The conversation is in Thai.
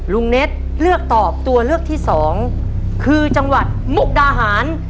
เน็ตเลือกตอบตัวเลือกที่สองคือจังหวัดมุกดาหาร